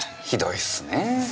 ひどいっすねぇ。